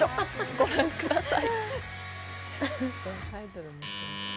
ご覧ください。